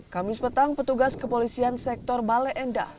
kamis petang petugas kepolisian sektor bale endah